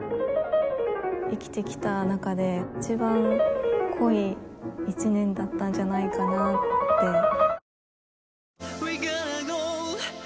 生きてきた中で一番濃い一年だったんじゃないかなって。